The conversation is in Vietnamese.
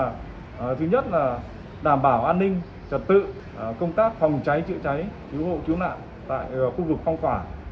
nhiệm vụ công tác đặc biệt chúng tôi là thứ nhất là đảm bảo an ninh trật tự công tác phòng cháy chữa cháy cứu hộ cứu nạn tại khu vực phong tỏa